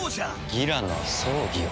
ギラの葬儀を？